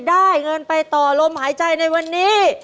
ได้เงินไปต่อลมหายใจในวันนี้